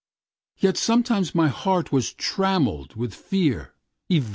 —Yet sometimes my heart was trammelledWith fear, evader!